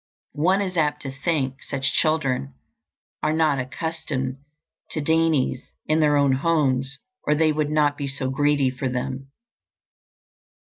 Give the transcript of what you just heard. One is apt to think such children are not accustomed to dainties in their own homes, or they would not be so greedy for them.